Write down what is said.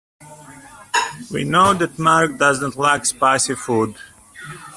We know that Mark does not like spicy food.